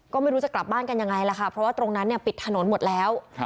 ก็ไม่รู้จะกลับบ้านกันยังไงล่ะค่ะเพราะว่าตรงนั้นเนี่ยปิดถนนหมดแล้ว